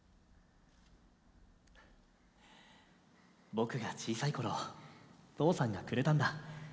僕が小さい頃父さんがくれたんだ。